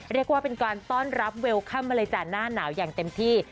เรียกว่าเป็นการต้อนรับเวลค่ำมาเลยจ้ะหน้าหนาวอย่างเต็มที่